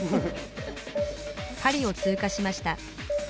パリを通過しました